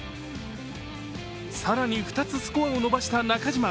更に２つスコアを伸ばした中島。